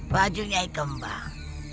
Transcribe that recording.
bajunya i kembang